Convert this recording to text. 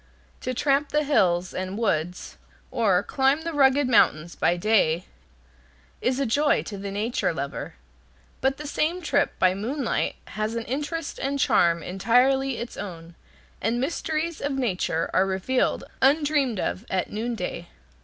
To tramp the hills and woods, or climb the rugged mountains by day, is a joy to the nature lover. But the same trip by moonlight has an interest and charm entirely its own, and mysteries of nature are revealed undreamed of at noonday.